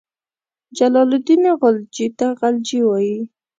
جلال الدین خلجي ته غلجي وایي.